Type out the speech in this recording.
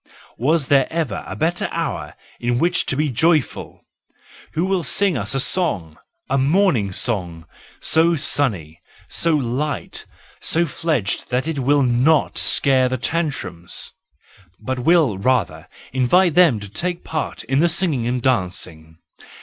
Was there ever a better hour in which to be joyful? Who will sing us a song, a morning song, so sunny, so light and so fledged that it will not scare the tantrums,—but will rather invite them to take part in the singing and dancing.